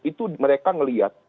itu mereka melihat